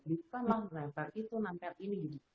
bukanlah menempel itu nempel ini